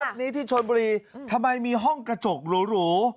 นี้ที่ชนบุรีทำไมมีห้องกระจกหรู